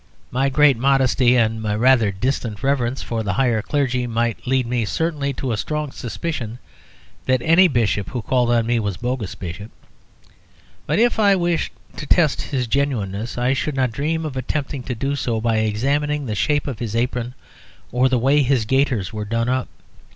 My great modesty and my rather distant reverence for the higher clergy might lead me certainly to a strong suspicion that any Bishop who called on me was a bogus Bishop. But if I wished to test his genuineness I should not dream of attempting to do so by examining the shape of his apron or the way his gaiters were done up.